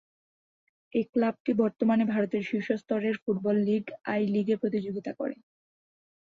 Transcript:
এই ক্লাবটি বর্তমানে ভারতের শীর্ষ স্তরের ফুটবল লীগ আই-লিগে প্রতিযোগিতা করে।